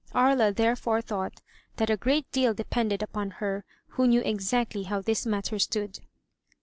Aria therefore thought that a great deal depended upon her, who knew exactly how this matter stood.